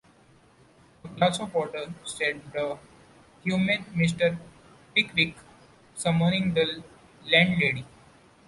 ‘A glass of water,’ said the humane Mr. Pickwick, summoning the landlady.